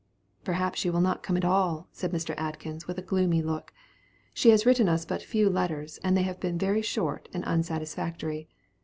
"Perhaps she will not come at all," said Mr. Atkins, with a gloomy look; "she has written us but few letters, and they have been very short and unsatisfactory.